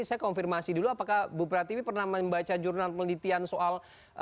saya konfirmasi dulu apakah bu pratiwi pernah membaca jurnal penelitian soal